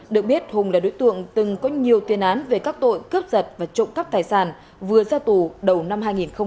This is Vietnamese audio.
được biết hùng là đối tượng từng có nhiều tiền án về các tội cướp giật và trộm cắp tài sản vừa ra tù đầu năm hai nghìn hai mươi ba